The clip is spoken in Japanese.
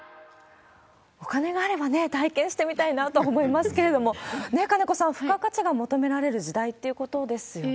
お金があればね、体験してみたいなと思いますけれども、ねえ、金子さん、付加価値が求められる時代っていうことですよね。